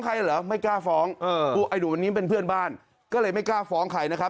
ใครเหรอไม่กล้าฟ้องเออหนุ่มนี้เป็นเพื่อนบ้านก็เลยไม่กล้าฟ้องใครนะ